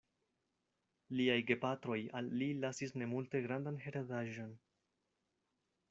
Liaj gepatroj al li lasis ne multe grandan heredaĵon.